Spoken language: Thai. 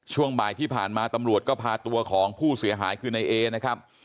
ช่วงบ่ายที่ผ่านมาตำรวจก็พาตัวของผู้เสียหายคือในเอนะครับ